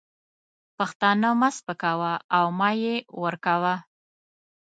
پښتانه مه سپکوه او مه یې ورکوه.